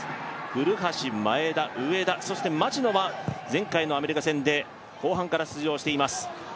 古橋、前田、上田、そして町野は前回のアメリカ戦で後半から出場しています。